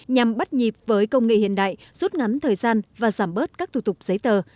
nhằm bắt nhịp với công nghệ hiện đại rút ngắn thời gian và giảm bớt các thủ tục giấy tờ